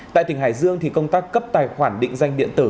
tại tỉnh hải dương công tác cấp tài khoản định danh điện tử